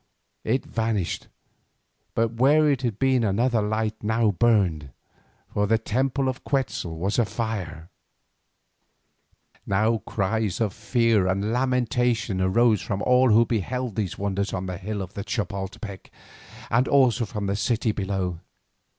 It vanished, but where it had been another light now burned, for the temple of Quetzal was afire. Now cries of fear and lamentation arose from all who beheld these wonders on the hill of Chapoltepec and also from the city below.